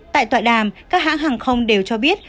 tại tọa đàm các hãng hàng không đều cho biết